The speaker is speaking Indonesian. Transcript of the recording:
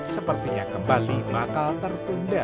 sepertinya kembali bakal tertunda